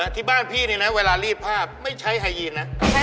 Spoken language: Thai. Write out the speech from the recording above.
ที่บ้านพี่นี่นะเวลารีดภาพไม่ใช้ไฮยีนนะ